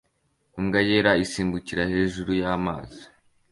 imbwa yera isimbukira hejuru y'amazi